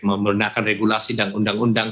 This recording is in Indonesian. mau melunakan regulasi dan undang undang